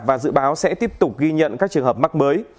và dự báo sẽ tiếp tục ghi nhận các trường hợp mắc mới